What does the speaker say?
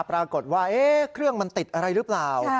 ปรากฏว่าเครื่องมันติดอะไรหรือเปล่า